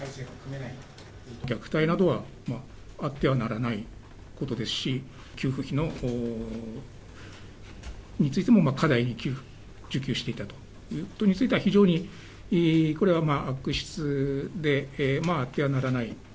虐待などは、あってはならないことですし、給付金についても、過大に受給していたということについては、非常に、これは悪質で、まああってはならない。